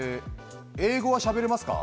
英語はしゃべれますか？